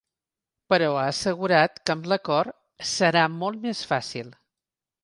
Però ha assegurat que amb l’acord “serà molt més fàcil”.